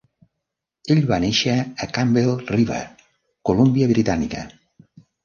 Ell va néixer a Campbell River, Colúmbia Britànica.